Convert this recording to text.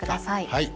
はい。